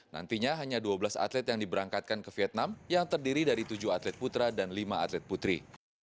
nantinya hanya dua belas atlet yang diberangkatkan ke vietnam yang terdiri dari tujuh atlet putra dan lima atlet putri